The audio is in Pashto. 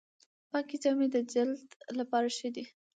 پاکې جامې د جلد لپاره ښې دي۔